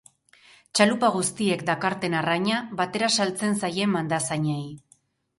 Txalupa guztiek dakarten arraina batera saltzen zaie mandazainei.